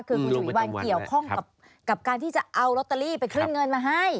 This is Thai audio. คือคุณฉวีวันเกี่ยวข้องกับการที่จะเอาลอตเตอรี่ไปขึ้นเงินมาให้